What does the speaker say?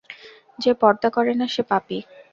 যে পর্দা করে না, সে পাপী।